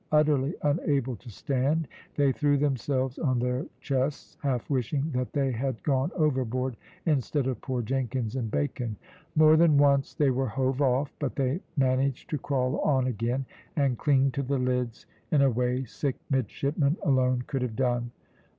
Utterly unable to stand they threw themselves on their chests, half wishing that they had gone overboard instead of poor Jenkins and Bacon. More than once they were hove off, but they managed to crawl on again, and cling to the lids in a way sick midshipmen alone could have done.